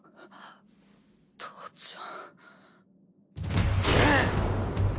父ちゃん。